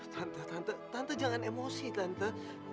tante tante jangan emosi tante